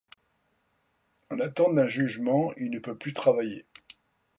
En attente d'un jugement, il ne peut plus travailler.